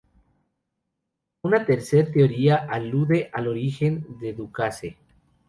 Una tercer teoría alude al origen de Ducasse.